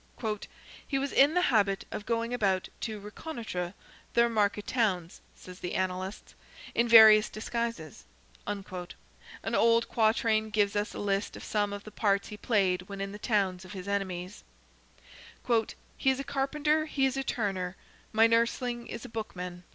"He was in the habit of going about to reconnoitre their market towns," say the Annalists, "in various disguises." An old quatrain gives us a list of some of the parts he played when in the towns of his enemies— "He is a carpenter, he is a turner. My nursling is a bookman.